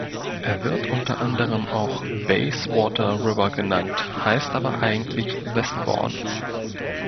Er wird unter anderem auch Bayswater River genannt, heißt aber eigentlich Westbourne.